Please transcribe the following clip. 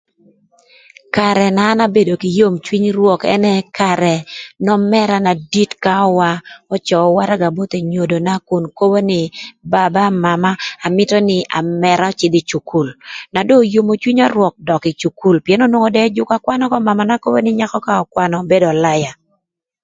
Karë na an abedo kï yom cwiny rwök ënë karë n'ömëra na dit kaöwa öcöö waraga both enyodona na kun kobo nï, baba, mama, amïtö nï amëra cïdh ï cukul, na do oyomo cwinya rwök obedo dök ï cukul, pïën onwongo de ëjüka kwan ököa mamana kobo nï nyakö ka ökwanö bedo ölaya.